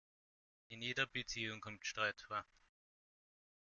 In jeder Beziehung kommt Streit vor.